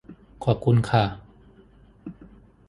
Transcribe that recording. ขอบคุณค่ะ